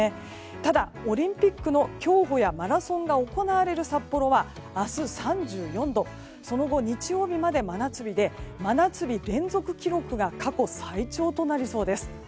ただ、オリンピックの競歩やマラソンが行われる札幌は明日３４度その後日曜日まで真夏日で真夏日連続記録が過去最長となりそうです。